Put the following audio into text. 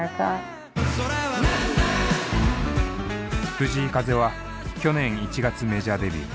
藤井風は去年１月メジャーデビュー。